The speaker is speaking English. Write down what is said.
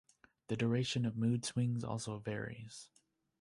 The duration of mood swings also varies.